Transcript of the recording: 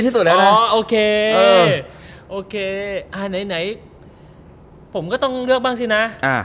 ในละฝนต้องเลือกบ้างสินะ